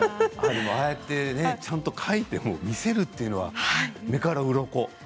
ああやってちゃんと書いて見せるというのは、目からうろこ。